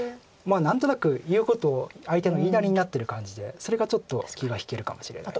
何となく言うことを相手の言いなりになってる感じでそれがちょっと気が引けるかもしれないです。